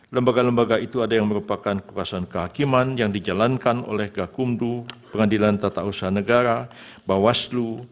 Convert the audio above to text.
lembaga lembaga itu ada yang merupakan kekuasaan kehakiman yang dijalankan oleh gakumdu pengadilan tata usaha negara bawaslu